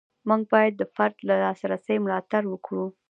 موږ باید د فرد د لاسرسي ملاتړ وکړو.